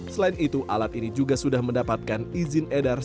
selain itu alat ini juga sudah mendapatkan izin edar